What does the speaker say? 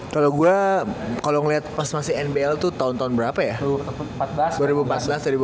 kalau gue kalau ngeliat pas masih nbl tuh tahun tahun berapa ya